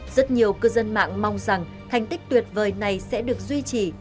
rất nhiều cư dân mạng mong rằng thành tích tuyệt vời này sẽ được duy trì